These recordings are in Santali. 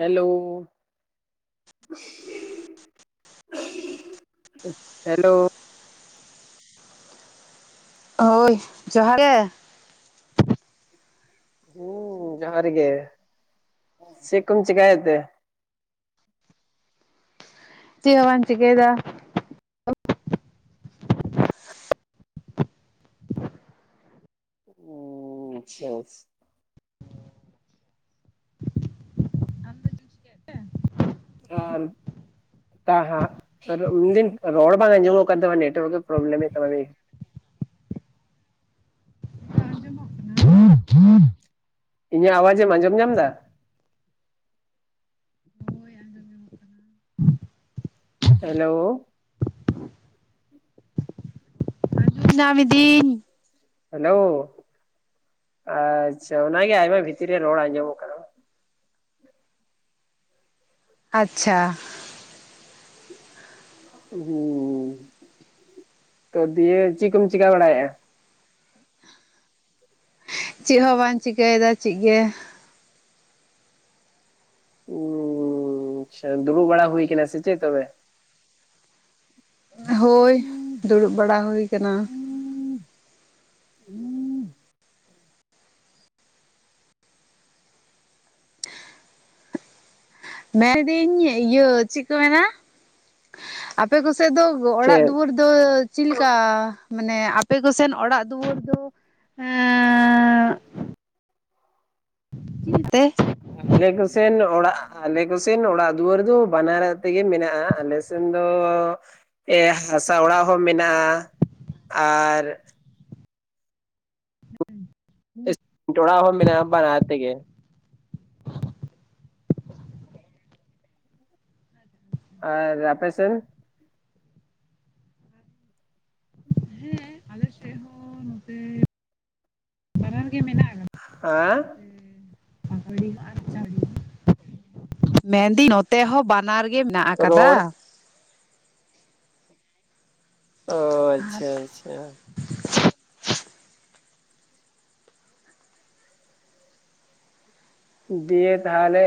ᱦᱮᱞᱳ᱾ ᱦᱮᱞᱳ᱾ ᱦᱳᱭ [inaudible] ᱩᱸ ᱡᱚᱸᱦᱟᱨ ᱜᱮ᱾ ᱪᱮᱫ ᱠᱚᱢ ᱪᱮᱠᱟᱭᱮᱜ ᱛᱮ? ᱪᱮᱜ ᱦᱚᱸ ᱵᱟᱝ ᱪᱤᱠᱟᱹᱭᱫᱟ᱾ [inaudible] ᱟᱨ ᱛᱟᱦᱟᱸᱜ ᱩᱱᱫᱤᱱ ᱨᱚᱲ ᱵᱟᱝ ᱟᱸᱡᱚᱢᱚᱜ ᱠᱟᱱ ᱛᱟᱢᱟ ᱱᱮᱴᱳᱣᱟᱨᱠ ᱯᱨᱚᱵᱞᱮᱢᱮᱜ ᱛᱟᱢᱟ ᱡᱟᱱᱤᱜ ᱤᱧᱟᱹᱜ ᱟᱣᱟᱡᱮ ᱮᱢ ᱟᱸᱡᱚᱢ ᱧᱟᱢ ᱫᱟ? ᱦᱮᱞᱳ ᱧᱟᱢᱫᱤᱧ ᱦᱮᱞᱳ ᱟᱪᱪᱷᱟ ᱚᱱᱟᱜᱮ ᱟᱭᱢᱟ ᱵᱷᱤᱛᱤᱨ ᱨᱮ ᱨᱚᱲ ᱟᱸᱡᱚᱢ ᱠᱟᱱ ᱟᱪᱪᱷᱟ ᱛᱚ ᱫᱤᱭᱮ ᱪᱮᱫ ᱠᱚᱢ ᱪᱤᱠᱟ ᱵᱟᱲᱟᱭᱮᱜ-ᱟ? ᱪᱮᱫ ᱦᱚ ᱵᱟᱝ ᱪᱮᱠᱟᱹᱭᱫᱟ ᱪᱮᱜᱜᱮ᱾ ᱩᱸᱻ ᱟᱪᱪᱷᱟ ᱫᱩᱲᱩᱵ ᱵᱟᱲᱟ ᱦᱩᱭ ᱠᱟᱱᱟ ᱥᱮ ᱪᱮᱫ ᱛᱚᱵᱮ? ᱦᱳᱭ ᱫᱩᱲᱩᱵ ᱵᱟᱲᱟ ᱦᱩᱭ ᱠᱟᱱᱟ ᱢᱮᱱᱫᱟᱹᱧ ᱤᱭᱟᱹ ᱪᱮᱫ ᱠᱚ ᱢᱮᱱᱟ ᱟᱯᱮ ᱠᱚᱥᱮᱫ ᱫᱚ ᱚᱲᱟᱜ ᱪᱮᱫ ᱫᱩᱣᱟᱹᱨ ᱫᱚ ᱪᱮᱫ ᱞᱮᱠᱟ? ᱢᱟᱱᱮ ᱟᱯᱮ ᱠᱚᱥᱮᱱ ᱚᱲᱟᱜ ᱫᱩᱣᱟᱹᱨ ᱫᱚ ᱮᱸᱜᱻ ᱪᱤᱜ ᱛᱮ? ᱟᱞᱮ ᱠᱚᱥᱮᱱ ᱚᱲᱟᱜ ᱟᱞᱮ ᱠᱚᱥᱮᱱ ᱚᱲᱟᱜ ᱫᱩᱣᱟᱹᱨ ᱫᱚ ᱵᱟᱱᱟᱨ ᱛᱮᱜᱮ ᱢᱮᱱᱟᱜ-ᱟ ᱟᱞᱮᱥ ᱥᱮᱱ ᱫᱚ ᱦᱟᱥᱟ ᱚᱲᱟᱜ ᱦᱚᱸ ᱢᱮᱱᱟᱜ-ᱟ ᱟᱨ ᱡᱚᱲᱟᱣ ᱦᱚ ᱢᱮᱱᱟᱜ-ᱟ ᱵᱟᱱᱟᱨ ᱛᱮ ᱜᱮ ᱟᱨ ᱨᱯᱮᱥᱮᱱ? ᱟᱞᱮ ᱥᱮᱫ ᱦᱚᱸ ᱱᱚᱛᱮ ᱵᱟᱱᱟᱨ ᱜᱮ ᱢᱮᱱᱟᱜ ᱟᱠᱟᱫᱟ ᱦᱟ [unintelligible] ᱢᱮᱱᱫᱤᱧ ᱱᱚᱛᱮ ᱦᱚᱸ ᱵᱟᱱᱟᱨ ᱜᱮ ᱢᱮᱱᱟᱜ ᱟᱠᱟᱫᱟ᱾ ᱨᱚᱲ ᱚ ᱟᱪᱪᱷᱟ ᱟᱪᱪᱷᱟ ᱫᱤᱭᱮ ᱛᱟᱦᱚᱞᱮ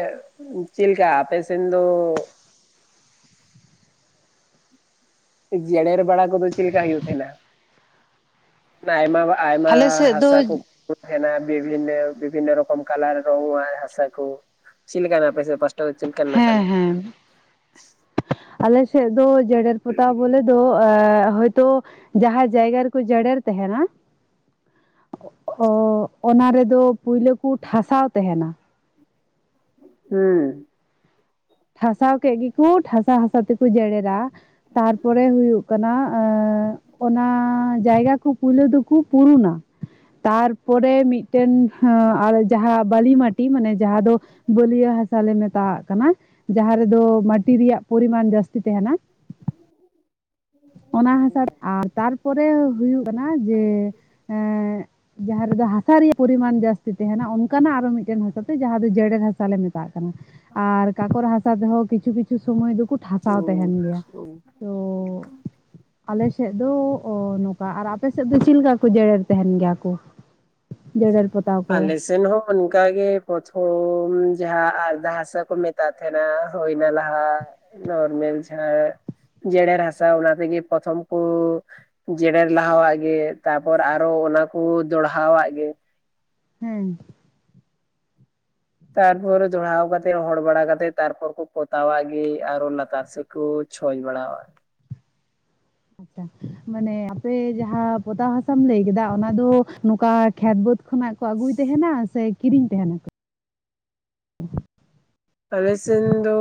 ᱪᱮᱫ ᱞᱮᱠᱟ ᱟᱯᱮ ᱥᱮᱱ ᱫᱚ ᱡᱮᱲᱮ ᱨᱮ ᱵᱟᱲᱟ ᱠᱚᱫᱚᱮ ᱪᱮᱫ ᱞᱮᱠᱟᱠᱟ ᱦᱳᱭᱳᱜ ᱛᱚᱦᱮᱱᱟ? ᱟᱭᱢᱟ ᱟᱭᱢᱟ ᱟᱞᱮ ᱥᱮᱫ ᱫᱚ ᱦᱟᱥᱟ ᱠᱚ ᱠᱚ ᱛᱟᱦᱮ ᱵᱤᱵᱷᱤᱱ ᱱᱚ ᱵᱤᱵᱷᱤᱱᱱᱚ ᱨᱚᱠᱚᱢ ᱠᱟᱞᱟᱨ ᱨᱚᱝ ᱟᱱ ᱦᱟᱥᱟ ᱠᱚ ᱪᱮᱫ ᱞᱮᱠᱟᱱᱟᱜ ᱟᱯᱮ ᱥᱮᱫ ᱯᱟᱥ ᱴᱟ ᱫᱚ ᱪᱮᱫᱞᱮᱠᱟᱱᱟ ᱠᱟᱱ ᱦᱮᱸ ᱟᱞᱮᱥᱮᱫ ᱫᱚ ᱡᱮᱨᱮᱲ ᱯᱚᱛᱟᱣ ᱵᱚᱞᱮᱫ ᱫᱚ ᱦᱚᱳᱭᱛᱳ ᱡᱟᱦᱟᱸ ᱡᱟᱭᱜᱟ ᱨᱮᱠᱚ ᱡᱮᱨᱮᱲ ᱛᱟᱦᱮᱱᱟ ᱚ ᱚᱱᱟ ᱨᱮᱫᱚ ᱯᱳᱭᱞᱳ ᱠᱚ ᱴᱷᱟᱥᱟᱣ ᱛᱟᱦᱮᱱᱟ ᱦᱮᱸ ᱴᱷᱟᱥᱟᱣ ᱠᱮᱫ ᱜᱮᱠᱚ ᱴᱷᱟᱥᱟ ᱦᱟᱥᱟ ᱛᱮᱠᱚ ᱡᱮᱨᱮᱮᱨᱟ ᱛᱟᱨᱯᱚᱨᱮ ᱦᱩᱭᱩᱜ ᱠᱟᱱᱟ ᱮ ᱚᱱᱟ ᱡᱟᱭᱜᱟ ᱠᱚ ᱯᱳᱭᱞᱳ ᱫᱚᱠᱚ ᱯᱩᱨᱩᱱᱟ ᱛᱟᱨᱯᱚᱨᱮ ᱢᱤᱫᱴᱮᱱ ᱟ ᱟᱨ ᱡᱟᱦᱟᱸ ᱵᱟᱞᱤ ᱢᱟᱴᱤ ᱢᱟᱱᱮ ᱡᱟᱦᱟᱸ ᱫᱚ ᱵᱟᱹᱞᱭᱟᱹ ᱦᱟᱥᱟᱞ ᱞᱮ ᱢᱮᱛᱟᱣᱟᱜ ᱠᱟᱱᱟ ᱡᱟᱦᱟᱸ ᱨᱮᱫᱚ ᱢᱟᱴᱤ ᱨᱮᱭᱟᱜ ᱯᱚᱨᱤᱢᱟᱱ ᱡᱟᱹᱥᱛᱤ ᱛᱟᱦᱮᱱᱟ ᱚᱱᱟ ᱦᱟᱥᱟ ᱟᱨ ᱛᱟᱨᱯᱚᱨᱮ ᱦᱩᱭᱩᱜ ᱠᱟᱱᱟ ᱡᱮ ᱮᱜ ᱡᱟᱦᱟᱸ ᱨᱮᱫᱚ ᱦᱟᱥᱟ ᱨᱮᱭᱟᱜ ᱯᱚᱨᱤᱢᱟᱱ ᱡᱟᱥᱥᱛᱤ ᱛᱟᱦᱮᱱᱟ ᱚᱱᱠᱟᱱᱟᱜ ᱟᱨᱚ ᱢᱤᱫᱴᱮᱱ ᱦᱟᱥᱟ ᱛᱮ ᱡᱟᱦᱟᱸ ᱫᱚ ᱡᱮᱨᱮᱲ ᱦᱟᱥᱟᱞ ᱞᱮ ᱢᱮᱛᱟᱜ ᱛᱟᱜ ᱠᱟᱱᱟ ᱟᱨ ᱠᱟᱠᱚᱨ ᱦᱟᱥᱟ ᱛᱮᱦᱚᱸ ᱠᱤᱪᱷᱩ ᱠᱤᱪᱷᱩ ᱥᱚᱢᱚᱭ ᱫᱚᱠᱚ ᱴᱷᱟᱥᱟᱣ ᱛᱟᱦᱮᱱ ᱜᱮᱭᱟ ᱛᱚ ᱟᱞᱮ ᱥᱮᱫ ᱫᱚ ᱚ ᱱᱚᱝᱠᱟ ᱟᱨ ᱟᱯᱮ ᱥᱮᱫ ᱫᱚ ᱪᱮᱫ ᱞᱮᱠᱟ ᱠᱚ ᱡᱮᱨᱮᱲ ᱛᱟᱦᱮᱱ ᱜᱮᱭᱟ ᱠᱚ? ᱡᱮᱨᱮᱲ ᱯᱚᱛᱟᱣ ᱠᱚ ᱟᱞᱮ ᱥᱮᱱ ᱦᱚᱸ ᱚᱱᱠᱟ ᱜᱮ ᱯᱨᱚᱛᱷᱚᱢ ᱡᱟᱦᱟᱸ ᱟᱨᱫᱟ ᱦᱟᱥᱟ ᱠᱚ ᱢᱮᱛᱟᱜ ᱛᱟᱦᱮᱸᱱᱟ ᱦᱳᱭᱱᱟ ᱞᱟᱦᱟ ᱱᱚᱨᱢᱮᱞ ᱡᱟᱦᱟᱸ ᱡᱮᱨᱮᱲ ᱦᱟᱥᱟ ᱚᱱᱟ ᱛᱮᱜᱮ ᱯᱨᱚᱛᱷᱚᱢ ᱠᱚ ᱡᱮᱨᱮᱲ ᱞᱟᱦᱟᱣᱟᱜ ᱜᱮ ᱛᱟᱯᱚᱨ ᱟᱨᱚ ᱚᱱᱟ ᱠᱚ ᱫᱚᱲᱦᱟᱣᱟᱜ ᱜᱮ ᱦᱮᱸ ᱛᱟᱨ ᱯᱚᱨ ᱟᱪᱪᱷᱟ ᱫᱚᱲᱦᱟᱣ ᱠᱟᱜ ᱛᱮ ᱦᱚᱲ ᱵᱟᱲᱟ ᱠᱟᱛᱮᱫ ᱛᱟᱨᱯᱚᱨ ᱠᱚ ᱯᱚᱛᱟᱣᱟᱜ ᱜᱮ ᱟᱨᱚ ᱞᱟᱛᱟᱨ ᱥᱮᱫ ᱠᱚ ᱪᱷᱚᱪ ᱵᱟᱲᱟᱣ-ᱟ᱾ ᱟᱪᱪᱷᱟ ᱢᱟᱱᱮ ᱟᱯᱮ ᱡᱟᱸᱦᱟᱸ ᱯᱚᱛᱟᱣ ᱦᱟᱥᱟᱢ ᱞᱟᱹᱭ ᱠᱮᱫᱟ ᱚᱱᱟ ᱫᱚ ᱱᱚᱝᱠᱟ ᱠᱷᱮᱛ ᱵᱟᱹᱫ ᱠᱷᱚᱱᱟᱜ ᱠᱚ ᱟᱹᱜᱩᱭ ᱛᱟᱦᱮᱱᱟ ᱥᱮ ᱠᱤᱨᱤᱧ ᱛᱟᱦᱮᱱᱟᱠᱚ? ᱟᱞᱮ ᱥᱮᱱ ᱫᱚ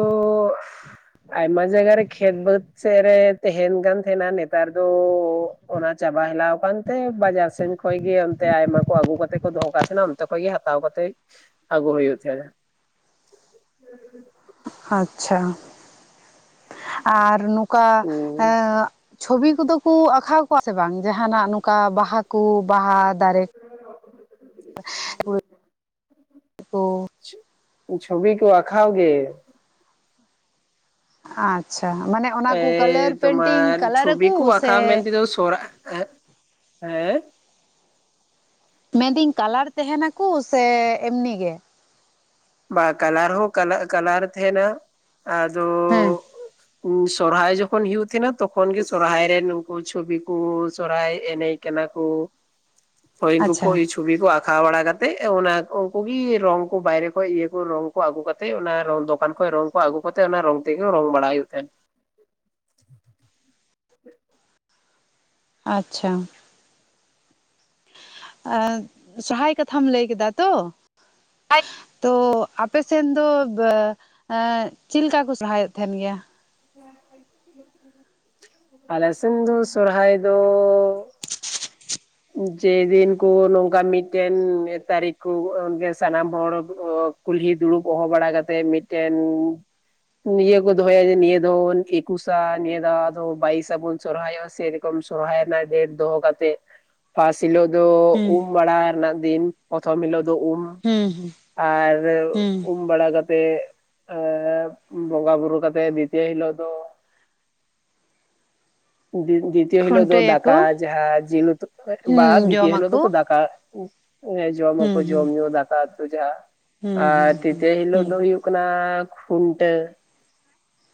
ᱟᱭᱢᱟ ᱡᱟᱭᱜᱟ ᱨᱮ ᱠᱷᱮᱛ ᱵᱟᱹᱫᱽ ᱥᱮᱫ ᱨᱮ ᱛᱟᱦᱮᱱ ᱠᱟᱱ ᱛᱟᱦᱮᱸᱱᱟ ᱱᱮᱛᱟᱨ ᱫᱚ ᱚᱱᱟ ᱪᱟᱵᱟ ᱦᱮᱞᱟᱣ ᱟᱠᱟᱱᱛᱮ ᱵᱟᱡᱟᱨ ᱥᱮᱱ ᱠᱷᱚᱱᱚᱡ ᱜᱮ ᱚᱱᱛᱮ ᱟᱭᱢᱟ ᱠᱚ ᱟᱹᱜᱩ ᱠᱟᱛᱮᱜ ᱠᱚ ᱫᱚᱦᱚ ᱟᱠᱟᱫ ᱛᱟᱦᱮᱱᱟ᱾ ᱚᱱᱛᱮ ᱠᱷᱚᱱᱚᱡ ᱜᱮ ᱦᱟᱛᱟᱣ ᱠᱟᱛᱮᱜ ᱟᱹᱜᱩ ᱦᱩᱭᱩᱜ ᱛᱟᱦᱮᱱᱟ᱾ ᱟᱪᱪᱷᱟ ᱟᱨ ᱱᱚᱝᱠᱟ [inaudible] ᱪᱷᱚᱵᱤ ᱠᱚᱫᱚ ᱠᱚ ᱟᱸᱠᱟᱣ ᱥᱮ ᱵᱟᱝ ᱡᱟᱸᱦᱟᱱᱟᱜ ᱱᱚᱝᱠᱟ ᱵᱟᱦᱟ ᱠᱚ ᱵᱟᱦᱟ ᱫᱟᱨᱮ᱾ [inaudible] ᱪᱷᱚᱵᱤ ᱠᱚ ᱟᱠᱷᱟᱣ ᱜᱮ᱾ ᱟᱪᱪᱷᱟ ᱢᱟᱱᱮ ᱚᱱᱟ ᱠᱚ ᱠᱟᱞᱟᱨ ᱮ ᱯᱮᱱᱴᱤᱝ ᱛᱳᱢᱟᱨ ᱠᱟᱞᱟᱨ ᱪᱷᱚᱵᱤ ᱠᱚ ᱟᱠᱚ ᱟᱸᱠᱟᱣ ᱢᱮᱱ ᱥᱮ ᱛᱮᱫᱚ ᱥᱚᱨ ᱦᱮᱸ ᱢᱮᱱᱫᱟᱹᱧ ᱠᱟᱞᱟᱨ ᱛᱟᱦᱮᱱᱟᱠᱚ ᱥᱮ ᱮᱢᱱᱤ ᱜᱮ᱾ ᱵᱟ ᱠᱟᱞᱟᱨ ᱦᱚᱸ ᱠᱟ ᱠᱟᱞᱟᱨ ᱛᱮᱱᱟ ᱟᱫᱚ ᱦᱮᱸ [inaudible] ᱥᱚᱨᱦᱟᱭ ᱡᱚᱠᱷᱚᱱ ᱦᱳᱭᱳᱜ ᱛᱟᱦᱮᱱᱟ ᱛᱚᱠᱷᱚᱱ ᱜᱮ ᱥᱚᱨᱦᱟᱭ ᱨᱮ ᱱᱩᱠᱩ ᱪᱷᱚᱵᱤ ᱠᱚ ᱥᱚᱨᱦᱟᱭ ᱮᱱᱮᱡ ᱠᱟᱱᱟ ᱠᱩ᱾ ᱟᱪᱪᱷᱟ ᱠᱩ ᱪᱷᱚᱵᱤ ᱠᱚ ᱟᱸᱠᱟᱣ ᱵᱟᱲᱟ ᱠᱟᱛᱮᱜ ᱚᱱᱟ ᱩᱱᱠᱩ ᱜᱤ ᱨᱚᱝ ᱠᱚ ᱵᱟᱭᱨᱮ ᱠᱷᱚᱡ ᱤᱭᱟᱹ ᱠᱚ ᱨᱚᱝ ᱠᱚ ᱟᱹᱜᱩ ᱠᱟᱛᱮᱜ ᱚᱱᱟ ᱨᱚᱝ ᱫᱚᱠᱟᱱ ᱠᱷᱚᱱ ᱨᱚᱝ ᱠᱚ ᱟᱹᱜᱩ ᱠᱟᱛᱮᱜ ᱚᱱᱟ ᱨᱚᱝ ᱛᱮᱜᱮ ᱨᱚᱝ ᱵᱟᱲᱟ ᱦᱩᱭᱩᱜ ᱛᱟᱦᱮᱸᱱ᱾ [inaudible] ᱟᱪᱪᱷᱟ ᱥᱚᱨᱦᱟᱭ ᱠᱟᱛᱷᱟᱢ ᱞᱟᱹᱭ ᱠᱮᱫᱟ ᱛᱚ᱾ [inaudible] ᱛᱚ ᱟᱯᱮ ᱥᱮᱱ ᱫᱚ [inaudible] ᱪᱮᱫ ᱞᱮᱠᱟ ᱠᱚ ᱥᱚᱨᱦᱟᱭ ᱚᱜ ᱛᱟᱦᱮᱱ ᱜᱮᱭᱟ? [inaudible] ᱟᱞᱮ ᱥᱮᱱᱫᱷᱩ ᱥᱚᱨᱦᱟᱭ ᱫᱚ ᱡᱮᱫᱤᱱ ᱠᱩ ᱱᱚᱝᱠᱟ ᱢᱤᱫᱴᱮᱱ ᱛᱟᱹᱨᱤᱠᱷᱠᱩ ᱥᱟᱱᱟᱢ ᱦᱚᱲ ᱠᱩᱞᱦᱤ ᱫᱩᱲᱩᱵ ᱦᱚᱦᱚ ᱵᱟᱲᱟ ᱠᱟᱛᱮᱫ ᱢᱤᱫᱴᱮᱱ ᱱᱤᱭᱟᱹ ᱠᱚ ᱫᱚᱦᱚᱭᱟ ᱡᱮ ᱱᱤᱭᱟᱹ ᱫᱚ ᱮᱠᱩᱥᱟ ᱱᱤᱭᱟᱹ ᱫᱚ ᱵᱟᱭᱤᱥᱟᱵᱩᱱ ᱥᱚᱨᱦᱟᱭᱚᱜ ᱥᱮ ᱠᱚᱢ ᱥᱚᱨᱦᱟᱭᱱᱟ ᱰᱮᱹᱴ ᱫᱚᱦᱚ ᱠᱟᱛᱮ᱾ ᱯᱷᱟᱥᱴ ᱦᱤᱞᱳᱜ ᱫᱚ ᱦᱩᱸ ᱩᱢ ᱵᱟᱲᱟ ᱨᱮᱱᱟᱜ ᱫᱤᱱ ᱯᱨᱚᱛᱷᱚᱢ ᱦᱤᱞᱚᱜ ᱫᱚ ᱩᱢ᱾ ᱦᱩᱸ ᱦᱩᱸ ᱟᱨ ᱦᱩᱸ ᱵᱟᱲᱟ ᱠᱟᱛᱮᱜ ᱮ ᱵᱚᱸᱜᱟ ᱵᱩᱨᱩ ᱠᱟᱛᱮᱜ ᱵᱤᱫᱟ. ᱭ ᱦᱤᱞᱳᱜ ᱫᱚ ᱫᱤᱛᱚ ᱦᱤᱞᱳᱜ ᱫᱚ ᱠᱷᱩᱱᱴᱟᱹᱭᱟᱠᱚ ᱫᱟᱠᱟ ᱡᱟᱸᱦᱟᱸ ᱡᱤᱞ ᱩᱛᱩ ᱵᱟ ᱦᱩᱸ ᱫᱤᱛᱤᱭᱚ ᱦᱤᱞᱳᱜ ᱡᱚᱢᱟᱠᱚ ᱫᱚᱠᱚ ᱫᱟᱠᱟ ᱦᱚᱸ ᱦᱩᱸ ᱡᱚᱢᱟᱠᱚ ᱦᱩᱸ ᱡᱚᱢ ᱧᱩ ᱫᱟᱠᱟ ᱩᱛᱩ ᱡᱟᱸᱦᱟ ᱦᱩᱸ ᱦᱩᱸ ᱟᱨ ᱛᱤᱛᱭᱚ ᱦᱩᱸ ᱦᱤᱞᱳᱜ ᱦᱩᱸ ᱫᱚ ᱦᱩᱭᱩᱜ ᱠᱟᱱᱟ ᱠᱷᱩᱱᱴᱟ.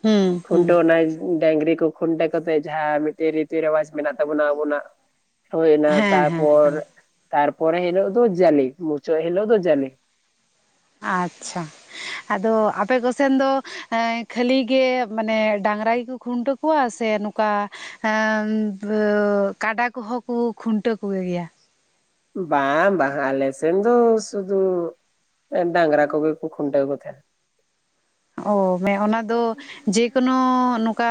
ᱦᱩᱸ ᱦᱩᱸ ᱠᱷᱩᱱᱩᱱᱴᱟ. ᱣ ᱚᱱᱟ ᱰᱟᱝᱨᱤ ᱠᱚ ᱠᱷᱩᱱᱴᱟᱹᱣ ᱠᱟᱛᱮᱜ ᱡᱟᱸᱦᱟᱸ ᱢᱤᱫᱴᱮᱱ ᱨᱤᱛᱤ ᱨᱮᱣᱟᱡ ᱢᱮᱱᱟᱜ ᱛᱟᱵᱚᱱᱟ ᱟᱵᱚᱱᱟᱜ᱾ ᱦᱩᱭᱱᱟ ᱦᱮᱸ ᱦᱮᱸ ᱛᱟᱨᱯᱚᱨ ᱦᱮᱸ ᱛᱟᱨᱯᱚᱨᱮ ᱦᱤᱞᱳᱜ ᱫᱚ ᱡᱟᱞᱮ ᱢᱩᱪᱟᱹᱫ ᱦᱤᱞᱳᱜ ᱫᱚ ᱡᱟᱞᱮ᱾ ᱟᱪᱪᱷᱟ᱾ ᱟᱫᱚ ᱠᱚᱥᱮᱱ ᱫᱚ ᱠᱷᱟᱹᱞᱤ ᱜᱮ ᱢᱟᱱᱮ ᱰᱟᱝᱨᱟ ᱜᱮᱠᱚ ᱠᱷᱩᱱᱴᱟᱹᱣ ᱠᱚᱣᱟ ᱥᱮ ᱱᱚᱝᱠᱟ ᱠᱟᱰᱟ ᱠᱚᱦᱚᱸ ᱠᱚ ᱠᱷᱩᱱᱴᱟᱹᱣ ᱠᱚᱜᱮ ᱜᱮᱭᱟ? ᱵᱟᱝ ᱵᱟᱝ ᱟᱞᱮᱥᱮᱱ ᱫᱚ ᱥᱩᱫᱩ ᱮ ᱰᱟᱝᱨᱟ ᱠᱚᱜᱮ ᱠᱚ ᱠᱷᱩᱱᱴᱟ ᱠᱚ ᱛᱟᱦᱮᱸᱱᱟ᱾ ᱚ ᱢᱮ ᱚᱱᱟ ᱫᱚ ᱡᱮᱠᱳᱱᱳ ᱱᱚᱝᱠᱟ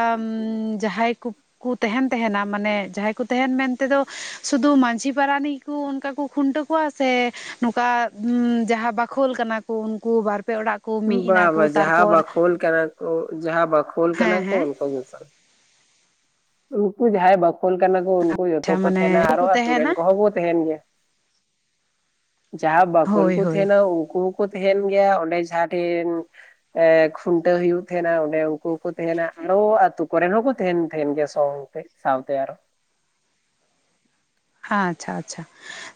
ᱡᱟᱦᱟᱸᱭ ᱠᱚ ᱠᱩ ᱛᱟᱦᱮᱸᱱ ᱛᱟᱦᱮᱸᱱᱟ ᱢᱟᱱᱮ ᱡᱟᱦᱟᱸᱭ ᱠᱚ ᱛᱟᱦᱮᱸᱱ ᱢᱮᱱᱛᱮᱫᱚ ᱥᱩᱫᱷᱩ ᱢᱟᱹᱡᱷᱤ ᱯᱟᱨᱟᱱᱤᱠ ᱠᱩ ᱚᱱᱠᱟ ᱠᱚ ᱠᱷᱩᱱᱴᱟᱹᱣ ᱠᱚᱣᱟ ᱥᱮ ᱱᱚᱝᱠᱟ ᱡᱟᱦᱟᱸ ᱵᱟᱠᱷᱳᱞ ᱠᱟᱱᱟ ᱠᱚ ᱩᱱᱠᱩ ᱵᱟᱨ ᱯᱮ ᱚᱲᱟᱜ ᱠᱚ ᱢᱤᱫ ᱵᱟᱵᱟ ᱮᱱᱟᱠᱚ ᱛᱟᱨ ᱡᱟᱦᱟᱸ ᱵᱟᱠᱷᱳᱞ ᱠᱟᱱᱟ ᱠᱚ ᱡᱟᱦᱟᱸ ᱵᱟᱠᱷᱳᱞ ᱠᱟᱱᱟ ᱦᱮᱸ ᱦᱮᱸ ᱩᱱᱠᱩ ᱜᱮᱠᱚ ᱩᱱᱠᱩ ᱡᱟᱦᱟᱸᱭ ᱵᱟᱠᱷᱳᱞ ᱠᱟᱱᱟ ᱠᱚ ᱩᱱᱠᱩ ᱡᱚᱛᱚ ᱟᱪᱪᱷᱟ ᱠᱚ ᱛᱟᱦᱮᱸᱱᱟ ᱢᱟᱱᱮ ᱟᱨᱚ ᱠᱚ ᱟᱛᱳ ᱛᱟᱦᱮᱱᱟ ᱨᱮᱱ ᱠᱚᱦᱚᱸ ᱵᱚ ᱛᱟᱦᱮᱸᱱ ᱜᱮᱭᱟ᱾ ᱡᱟᱦᱟᱸ ᱵᱟᱠᱳᱞ ᱦᱳᱭ ᱠᱚ ᱦᱳᱭ ᱛᱟᱦᱮᱸᱱᱟ ᱩᱱᱠᱩ ᱦᱚᱸᱠᱚ ᱛᱟᱦᱮᱸᱱ ᱜᱮᱭᱟ ᱚᱸᱰᱮ ᱡᱟᱦᱟᱸ ᱴᱷᱮᱱ ᱮᱸ ᱠᱷᱩᱱᱴᱟᱹᱣ ᱦᱩᱭᱩᱜ ᱛᱟᱦᱮᱸᱱᱟ ᱚᱸᱰᱮ ᱩᱱᱠᱩ ᱦᱚᱸᱠᱩ ᱛᱟᱦᱮᱸᱱᱟ ᱟᱨᱚ ᱟᱹᱛᱳ ᱠᱚᱨᱮᱱ ᱦᱚᱸᱠᱚ ᱛᱟᱦᱮᱸᱱ ᱛᱟᱦᱮᱱ ᱜᱮᱭᱟ ᱥᱟᱶᱛᱮ ᱥᱟᱶᱛᱮ ᱟᱨᱚ᱾ ᱦᱟᱸ ᱟᱪᱪᱷᱟ ᱟᱪᱪᱷᱟ,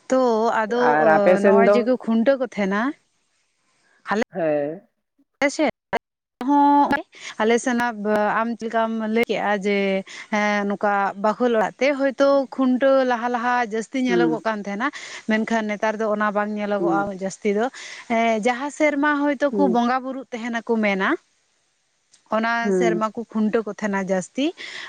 ᱛᱚ ᱟᱫᱚ ᱟᱨ ᱟᱯᱮ ᱥᱮᱱ ᱱᱚᱜ-ᱚᱭ ᱫᱚ ᱡᱮᱠᱚ ᱠᱷᱩᱱᱴᱟᱹᱣ ᱠᱚ ᱛᱟᱦᱮᱸᱱᱟ ᱦᱮᱸ, ᱦᱮᱸ ᱥᱮ [inaudible] ᱱᱚᱜ-ᱚᱭ ᱟᱞᱮ ᱥᱮᱱ ᱦᱚᱸ ᱟᱢ ᱪᱮᱫ ᱞᱮᱠᱟᱢ ᱞᱟᱹᱭ ᱮᱜ-ᱟ ᱡᱮ ᱦᱮᱸ ᱱᱚᱠᱟ ᱵᱟᱠᱷᱳᱞ ᱚᱲᱟᱜ ᱛᱮ ᱦᱳᱭ ᱛᱳ ᱠᱷᱩᱱᱴᱟᱹᱣ ᱞᱟᱦᱟ ᱞᱟᱦᱟ ᱡᱟᱹᱥ ᱛᱤ ᱧᱮᱞᱚᱜᱚᱜ ᱦᱩᱸ ᱠᱟᱱ ᱛᱟᱦᱮᱸᱱᱟ ᱢᱮᱱᱠᱷᱟᱱ ᱱᱮᱛᱟᱨ ᱫᱚ ᱚᱱᱟ ᱵᱟᱝ ᱦᱩᱸ ᱧᱮᱞᱚᱜᱚᱜ-ᱟ ᱡᱟᱹᱥ ᱛᱤ ᱫᱚ, ᱮᱸ ᱡᱟᱦᱟᱸ ᱥᱮᱨᱢᱟ ᱦᱚᱭᱛᱳ ᱠᱳ ᱦᱩᱸ ᱵᱚᱸᱜᱟ ᱵᱩᱨᱩᱜ ᱛᱟᱦᱮᱸᱱᱟ ᱠᱳ ᱢᱮᱱᱟ ᱚᱱᱟ ᱥᱮᱨᱢᱟ ᱦᱩᱸ ᱠᱩ ᱠᱷᱩᱱᱴᱟᱹ ᱠᱚ ᱛᱟᱦᱮᱸᱱᱟ ᱡᱟᱹᱥ ᱛᱤ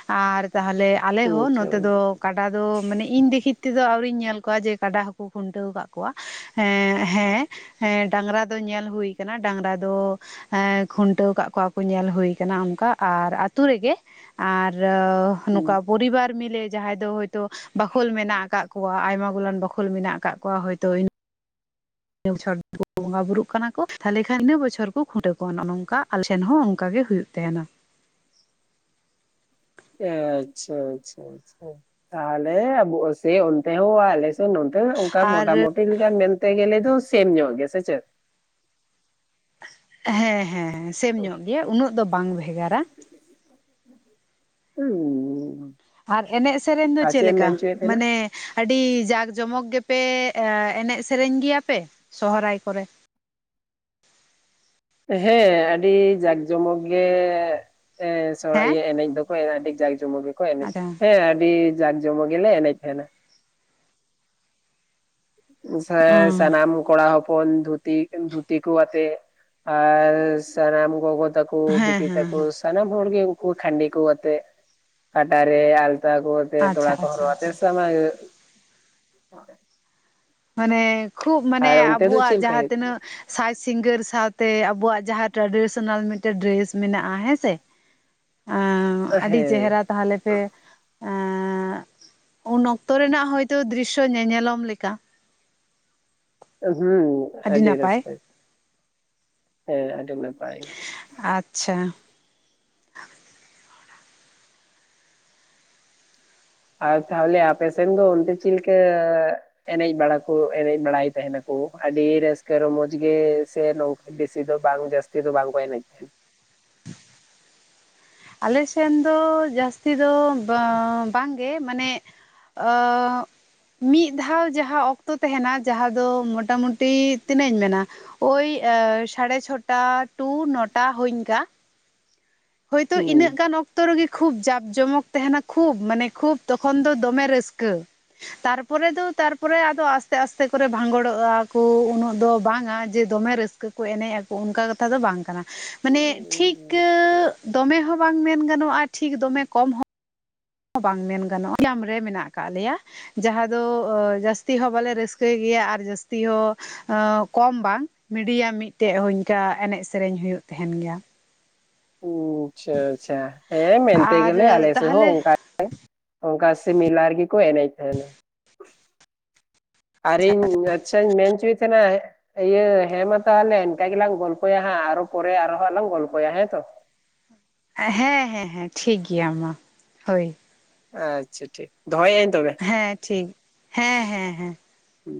ᱟᱨ ᱛᱟᱦᱚᱞᱮ ᱟᱞᱮ ᱦᱚᱸ ᱟᱪᱪᱷᱟ ᱱᱚᱛᱮ ᱫᱚ ᱠᱟᱰᱟ ᱫᱚ ᱢᱟᱱᱮ ᱤᱧ ᱫᱮᱠᱷᱤᱛ ᱛᱮᱫᱚ ᱟᱹᱣᱨᱤᱧ ᱧᱮᱞ ᱠᱚᱣᱟ ᱡᱮ ᱠᱟᱰᱟ ᱦᱚᱸ ᱠᱚ ᱠᱷᱩᱱᱴᱟᱹᱣ ᱠᱟᱜ ᱠᱚᱣᱟ, ᱮᱸ ᱦᱮᱸ ᱮᱸ ᱰᱟᱝᱨᱟ ᱫᱚ ᱧᱮᱞ ᱦᱩᱭ ᱠᱟᱱᱟ ᱰᱟᱝᱨᱟ ᱫᱚ ᱮᱸ ᱠᱷᱩᱱᱴᱟᱹᱣ ᱠᱟᱫ ᱠᱚᱣᱟ ᱠᱚ ᱧᱮᱞ ᱦᱩᱭ ᱠᱟᱱᱟ ᱚᱱᱠᱟ ᱟᱨ ᱟᱹᱛᱩ ᱨᱮ ᱜᱮ ᱟᱨ ᱦᱩᱸ ᱱᱚᱠᱟ ᱯᱚᱨᱤᱵᱟᱨ ᱢᱤᱞᱮ ᱡᱟᱦᱟᱸᱭ ᱫᱚ ᱦᱳᱭᱛᱳ ᱵᱟᱠᱷᱳᱞ ᱢᱮᱱᱟᱜ ᱟᱠᱟᱫ ᱠᱚᱣᱟ ᱟᱭᱢᱟ ᱜᱩᱞᱟᱱ ᱵᱟᱠᱷᱳᱞ ᱢᱮᱱᱟᱜ ᱟᱠᱟᱫ ᱠᱚᱣᱟ ᱦᱳᱭᱛᱳ [unintelligible] ᱠᱚ ᱵᱚᱸᱜᱟ ᱵᱩᱨᱩᱜ ᱠᱟᱱᱟ ᱠᱚ ᱛᱟᱦᱚᱞᱮ ᱠᱷᱟᱱ ᱤᱱᱟᱹ ᱵᱚᱪᱷᱚᱨ ᱠᱚ ᱠᱷᱩᱱᱴᱟᱹᱣ ᱠᱚᱣᱟ ᱱᱚᱜ ᱱᱚᱝᱠᱟ ᱟᱞᱮ ᱴᱷᱮᱱ ᱦᱚᱸ ᱚᱱᱠᱟ ᱜᱮ ᱦᱩᱭᱩᱜ ᱛᱟᱦᱮᱸᱱᱟ᱾ ᱟᱪᱪᱷᱟ ᱟᱪᱪᱷᱟ ᱟᱪᱪᱷᱟ, ᱛᱟᱦᱚᱞᱮ ᱟᱵᱚ ᱥᱮᱭ ᱚᱱᱛᱮ ᱦᱚᱸ ᱟᱞᱮ ᱱᱚᱛᱮᱦᱚᱸ ᱚᱱᱠᱟ ᱟᱨ ᱢᱚᱴᱟ ᱢᱩᱴᱤ ᱞᱮᱠᱟ ᱢᱮᱱ ᱛᱮ ᱜᱮᱞᱮ ᱫᱚ ᱥᱮᱢ ᱧᱚᱜ ᱜᱮ ᱥᱮ ᱪᱮᱫ? ᱦᱮᱸ ᱦᱮᱸ ᱦᱮᱸ ᱥᱮᱢ ᱧᱚᱜ ᱜᱮᱭᱟ ᱩᱱᱟᱹᱜ ᱫᱚ ᱵᱟᱝ ᱵᱷᱮᱜᱟᱨᱟ᱾ ᱦᱩᱸ ᱟᱨ ᱮᱱᱮᱡ ᱥᱮᱨᱮᱧ ᱫᱚ ᱟᱨ ᱪᱮᱫ ᱮᱢ ᱞᱮᱠᱟ ᱢᱮᱱ ᱦᱚᱪᱚᱭᱮᱫ ᱛᱟᱦᱮᱱᱟ ᱢᱟᱱᱮ ᱟᱹᱰᱤ ᱡᱟᱠ ᱡᱚᱢᱚᱠ ᱜᱮᱯᱮ ᱮᱱᱮᱡ ᱥᱮᱨᱮᱧ ᱜᱮᱭᱟ ᱯᱮ ᱥᱚᱦᱨᱟᱭ ᱠᱚ ᱨᱮ? ᱦᱮᱸ ᱟᱹᱰᱤ ᱡᱟᱠ ᱡᱚᱢᱚᱠ ᱜᱮ ᱮᱸ ᱥᱚᱦᱨᱟᱭ ᱦᱮᱸ ᱤᱭᱟᱹ ᱮᱱᱮᱡ ᱫᱚ ᱠᱚ ᱟᱹᱰᱤ ᱡᱟᱸᱠ ᱡᱚᱢᱚᱠ ᱜᱮᱠᱚ ᱮᱱᱮᱡ-ᱟ᱾ ᱟᱪᱪᱷᱟ ᱦᱮᱸ ᱟᱹᱰᱤ ᱡᱟᱸᱠ ᱡᱚᱢᱚᱠ ᱜᱮᱞᱮ ᱮᱱᱮᱡ ᱛᱟᱦᱮᱸᱱᱟ᱾ ᱥᱮ ᱚ ᱥᱟᱱᱟᱢ ᱠᱚᱲᱟ ᱠᱚ ᱦᱚ ᱯᱚᱱ ᱫᱷᱩᱛᱤ ᱫᱷᱩᱛᱤ ᱠᱚ ᱟᱛᱮ ᱟᱨ ᱥᱟᱱᱟᱢ ᱜᱚᱜᱚ ᱛᱟ ᱠᱚ ᱦᱮᱸ ᱵᱤᱴᱤ ᱦᱮᱸ ᱛᱟᱠᱚ ᱦᱮᱸ ᱥᱟᱱᱟᱢ ᱦᱚᱲ ᱜᱮ ᱩᱱᱠᱩ ᱠᱷᱟᱸᱰᱤ ᱠᱚ ᱟᱛᱮᱜ ᱠᱟᱴᱟ ᱨᱮ ᱟᱞᱛᱟ ᱠᱚ ᱛᱮ ᱛᱚᱲᱟ ᱟᱪᱪᱷᱟ ᱠᱚ ᱟᱪᱪᱷᱟ ᱦᱚᱨᱚᱜ ᱟᱛᱮ ᱟᱪᱪᱷᱟ ᱥᱚᱢᱟᱹᱭ [inaudible] ᱢᱟᱱᱮ ᱠᱷᱩᱵ ᱢᱟᱱᱮ ᱟᱨ ᱚᱱᱛᱮ ᱫᱚ ᱟᱵᱚᱣᱟᱜ ᱪᱮᱫ ᱞᱮᱠᱟ ᱡᱟᱦᱟᱸ ᱦᱩᱭᱩᱜ ᱛᱤᱱᱟᱹᱜ ᱠᱟᱱᱟ ᱥᱟᱡᱽ ᱥᱤᱝᱜᱟᱹᱨ ᱥᱟᱶᱛᱮ ᱟᱵᱚᱣᱟᱜ ᱡᱟᱦᱟᱸ ᱴᱨᱟᱰᱤᱥᱚᱱᱟᱞ ᱢᱤᱫ ᱴᱮᱱ ᱰᱨᱮᱥ ᱢᱮᱱᱟᱜ-ᱟ ᱦᱮᱸ ᱥᱮ, ᱮᱸ ᱟᱹᱰᱤ ᱪᱮᱦᱨᱟ ᱦᱮᱸ ᱛᱟᱦᱚᱞᱮ ᱯᱮ ᱮᱸᱻ ᱩᱱ ᱚᱠᱛᱚ ᱨᱮᱱᱟᱜ ᱦᱳᱭᱛᱚ ᱫᱨᱤᱥ-ᱥᱚ ᱧᱮᱧᱮᱞᱚᱢ ᱞᱮᱠᱟ ᱦᱩᱸ ᱟᱹᱰᱤ ᱨᱟᱹᱥᱠᱟᱹ ᱜᱮ᱾ ᱦᱮᱸ ᱟᱹᱰᱤᱢ ᱱᱟᱯᱟᱭ ᱾ ᱟᱪᱪᱷᱟ ᱟᱨ ᱛᱟᱦᱚᱞᱮ ᱟᱯᱮ ᱥᱮᱱ ᱫᱚ ᱩᱱᱛᱮ ᱪᱤᱫ ᱞᱮᱠᱟ? ᱮᱱᱮᱡ ᱵᱟᱲᱟ ᱠᱚ ᱮᱱᱮᱡ ᱵᱟᱲᱟᱭ ᱛᱟᱦᱮᱸᱱᱟᱠᱚ ᱟᱹᱰᱤ ᱨᱟᱹᱥᱠᱟᱹ ᱨᱚᱢᱚᱡ ᱜᱮ ᱥᱮ ᱱᱚ ᱵᱮᱥᱤ ᱫᱚ ᱵᱟᱝ ᱡᱟᱹᱥᱛᱤ ᱫᱚ ᱵᱟᱝ ᱠᱚ ᱮᱱᱮᱡ ᱛᱟᱦᱮᱱ ᱟᱞᱮ ᱥᱮᱱ ᱫᱚ ᱡᱟᱹᱥᱛᱤ ᱫᱚ ᱵᱟᱝ ᱵᱟᱝᱜᱮ ᱢᱟᱱᱮ, ᱚᱜ ᱢᱤᱫ ᱫᱷᱟᱣ ᱡᱟᱦᱟᱸ ᱚᱠᱛᱚ ᱛᱟᱦᱮᱸᱱᱟ ᱡᱟᱦᱟᱸ ᱫᱚ ᱢᱚᱴᱟ ᱢᱩᱴᱤ ᱛᱤᱱᱟᱹᱜ ᱤᱧ ᱢᱮᱱᱟ ᱳᱭ ᱥᱟᱲᱮ ᱪᱷᱚᱴᱟ ᱴᱩ ᱱᱚᱴᱟ ᱦᱚᱹᱧ ᱠᱟ ᱾ ᱦᱳᱭᱛᱳ ᱤᱱᱟᱹᱜ ᱦᱩᱸ ᱜᱟᱱ ᱚᱠ ᱼᱛᱚ ᱨᱮᱜᱮ ᱠᱷᱩᱵᱽ ᱡᱟᱠ ᱡᱚᱢᱚᱠ ᱛᱟᱦᱮᱸᱱᱟ ᱠᱷᱩᱵᱽ ᱢᱟᱱᱮ ᱠᱷᱩᱵᱽ ᱛᱚᱠᱷᱚᱱ ᱫᱚ ᱫᱚᱢᱮ ᱨᱟᱹᱥᱠᱟᱹ ᱾ ᱛᱟᱨ ᱯᱚᱨᱮ ᱫᱚ ᱛᱟᱨ ᱯᱚᱨᱮ ᱟᱫᱚ ᱟᱥᱛᱮ ᱟᱥᱛᱮ ᱠᱚᱨᱮ ᱵᱷᱟᱸᱜᱚᱲᱚᱜ-ᱟ ᱠᱚ ᱩᱱᱟᱹᱜ ᱫᱚ ᱵᱟᱝ ᱟ ᱡᱮ ᱫᱚᱢᱮ ᱨᱟᱹ -ᱠᱟᱹ ᱠᱚ ᱮᱱᱮᱡ ᱟᱠᱚ ᱚᱱᱠᱟ ᱠᱟᱛᱷᱟ ᱫᱚ ᱵᱟᱝ ᱠᱟᱱᱟ ᱾ ᱢᱟᱱᱮ ᱴᱷᱤᱠ ᱫᱚᱢᱮ ᱦᱚᱸ ᱵᱟᱝ ᱢᱮᱱ ᱜᱟᱱᱚᱜ-ᱟ ᱴᱷᱤᱠ ᱫᱚᱢᱮ ᱠᱚᱢ ᱦᱚᱸ ᱵᱟᱝ ᱢᱮᱱ ᱜᱟᱱᱚᱜ-ᱟ ᱵᱮᱭᱟᱢ ᱨᱮ ᱢᱮᱱᱟᱜ ᱟᱠᱟᱫ ᱞᱮᱭᱟ᱾ ᱡᱟᱦᱟᱸ ᱫᱚ ᱡᱟᱹᱥᱛᱤ ᱦᱚᱸ ᱵᱟᱞᱮ ᱨᱟᱹᱥᱠᱟᱹᱭ ᱜᱮᱭᱟ ᱟᱨ ᱡᱟᱹᱥᱛᱤ ᱦᱚᱸ ᱠᱚᱢ ᱵᱟᱝ ᱢᱤᱰᱤᱭᱟᱢ ᱢᱤᱫ ᱴᱮᱡ ᱦᱚᱧ ᱠᱟ ᱮᱱᱮᱡ ᱥᱮᱨᱮᱧ ᱦᱩᱭᱩᱜ ᱛᱟᱦᱮᱸᱱ ᱜᱮᱭᱟ᱾ ᱩ ᱟᱪᱪᱷᱟ ᱟᱪᱪᱷᱟ ᱦᱮᱸ ᱢᱮᱱ ᱛᱮ ᱟᱨ ᱜᱮᱞᱮ ᱟᱞᱮ ᱥᱮᱫ ᱦᱚᱸ ᱛᱟᱦᱚᱞᱮ ᱚᱱᱠᱟ᱾ ᱚᱱᱠᱟ ᱥᱮ ᱢᱮᱞᱟ ᱨᱮᱜᱮ ᱠᱚ ᱮᱱᱮᱡ ᱛᱟᱦᱮᱸᱱᱟ ᱸ ᱟᱨ ᱤᱧ ᱟᱪᱪᱷᱟᱧ ᱢᱮᱱ ᱪᱚᱭ ᱛᱟᱦᱮᱸᱱᱟ ᱤᱭᱟᱹ ᱦᱮᱸ ᱢᱟ ᱛᱟᱦᱚᱞᱮ ᱤᱱᱠᱟ ᱜᱮᱞᱟᱝ ᱜᱚᱞᱯᱚᱭᱟ ᱦᱟᱸᱜ ᱟᱨᱚ ᱯᱚᱨᱮ ᱟᱨᱦᱚᱸ ᱦᱟᱸᱜ ᱞᱟᱝ ᱜᱚᱞᱯᱚᱭᱟ ᱦᱮᱸᱛᱚ ᱦᱮᱸ ᱦᱮᱸ ᱦᱮᱸ ᱴᱷᱤᱠ ᱜᱮᱭᱟ ᱢᱟ ᱦᱳᱭ ᱟᱪᱪᱷᱟ ᱴᱷᱤᱠ ᱫᱚᱦᱚᱭᱮᱫᱟᱹᱧ ᱛᱚᱵᱮ ᱦᱮᱸ ᱴᱷᱤᱠ ᱦᱮᱸ ᱦᱮᱸ ᱦᱮᱸ ᱦᱩᱸ